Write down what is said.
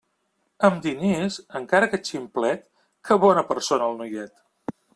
Amb diners, encara que ximplet, que bona persona el noiet!